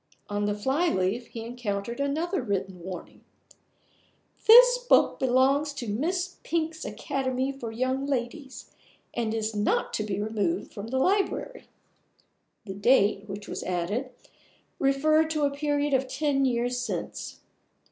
On the fly leaf he encountered another written warning: "This book belongs to Miss Pink's Academy for Young Ladies, and is not to be removed from the library." The date, which was added, referred to a period of ten years since.